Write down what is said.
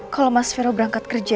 kalau mas vero berangkat kerja